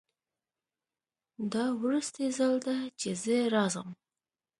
دا وروستی ځل ده چې زه راځم